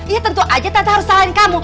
oh ya tentu saja tante harus salahkan kamu